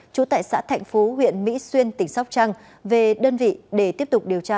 trú tại xã thạnh phú huyện mỹ xuyên tỉnh sóc trăng về đơn vị để tiếp tục điều tra